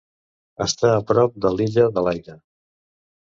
Està a prop de l'Illa de l'aire.